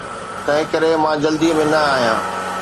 تنهنڪري مان جلدي ۾ نه آهيان.